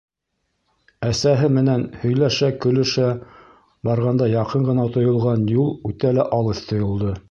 Әсәһе менән һөйләшә-көлөшә барғанда яҡын ғына тойолған юл үтә лә алыҫ тойолдо.